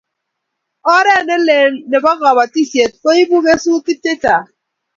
oret ne lel nebo kabatisiet ko ibu kesutik che chang'